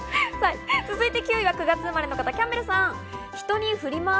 続いて９位は９月生まれの方、キャンベルさん。